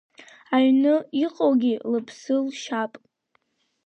Аҩны иҟоугьы лыԥсы лшьап.